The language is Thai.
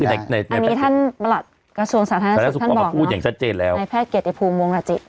อันนี้ท่านประหลัดกระชวนสาธารณสินทร์ท่านบอกเนอะในแพทย์เกียรติภูมิวงรจิ